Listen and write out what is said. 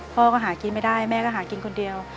พ่อก็หากินไม่ได้แม่ก็หากินคนเดียว